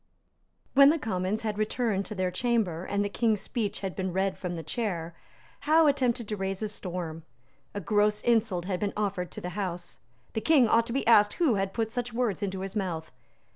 When the Commons had returned to their chamber, and the King's speech had been read from the chair, Howe attempted to raise a storm. A gross insult had been offered to the House. The King ought to be asked who had put such words into his mouth.